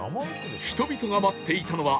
人々が待っていたのは